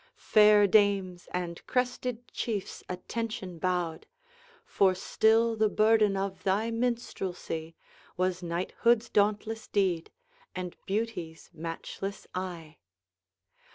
Fair dames and crested chiefs attention bowed; For still the burden of thy minstrelsy Was Knighthood's dauntless deed, and Beauty's matchless eye.